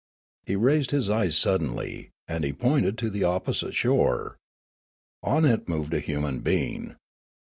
He raised his eyes suddenl)^ and he pointed to the opposite shore. On it moved a human being.